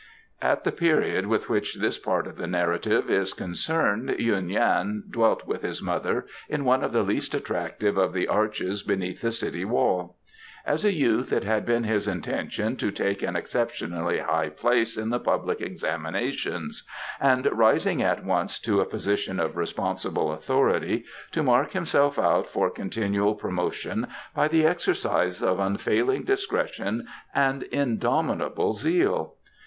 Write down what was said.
At the period with which this part of the narrative is concerned, Yuen Yan dwelt with his mother in one of the least attractive of the arches beneath the city wall. As a youth it had been his intention to take an exceptionally high place in the public examinations, and, rising at once to a position of responsible authority, to mark himself out for continual promotion by the exercise of unfailing discretion and indomitable zeal.